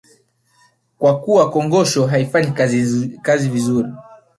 Kwa kuwa kongosho haifanyi kazi vizuri